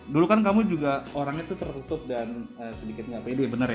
dulu kan kamu juga orangnya tuh tertutup dan sedikit nggak pede ya bener ya